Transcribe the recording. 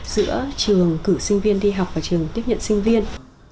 giữa trường cử sinh viên đi học và trường tiếp nhận sinh viên